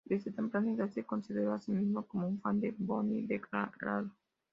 Desde temprana edad se consideró a sí mismo como un fan de Bond declarado.